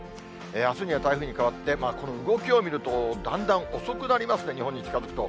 あすには台風に変わって、この動きを見ると、だんだん遅くなりますね、日本に近づくと。